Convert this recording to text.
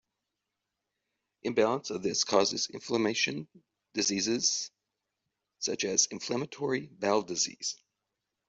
Imbalance of this causes inflammation diseases such as inflammatory bowel disease.